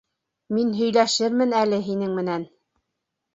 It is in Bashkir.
Мин һөйләшермен әле һинең менән.